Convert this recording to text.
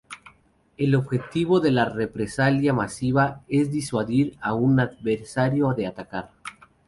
El objetivo de la represalia masiva es disuadir a un adversario de atacar.